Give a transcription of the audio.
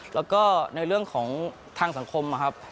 แล้วก็ในเรื่องของทางสังคมนะครับ